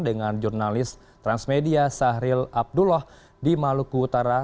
dengan jurnalis transmedia sahril abdullah di maluku utara